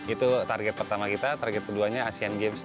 itu target pertama kita target keduanya asean games